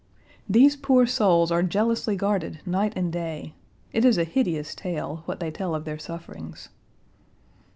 These poor souls are jealously guarded night and day. It is a hideous tale what they tell of their sufferings.